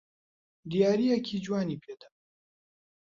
دیارییەکی جوانی پێ دا.